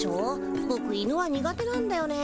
ぼく犬は苦手なんだよね。